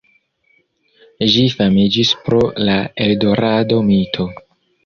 Ĝi famiĝis pro la Eldorado-mito.